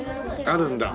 あるんだ。